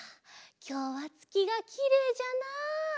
きょうはつきがきれいじゃなあ。